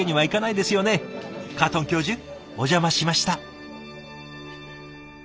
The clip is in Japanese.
カートン教授お邪魔しました。